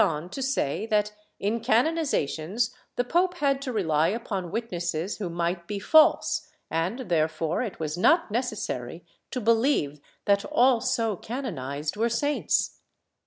144 PBOPOSITIONS [Book VIII to say that in canonizations the pope had to rely upon witnesses who might be false and therefore it was not necessary to believe that all so canonized were saints.